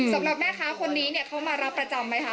สำหรับแม่ค้าคนนี้เนี่ยเขามารับประจำไหมคะ